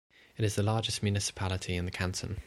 It is the largest municipality in the canton.